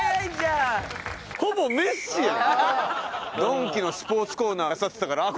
ドンキのスポーツコーナーあさってたからあっ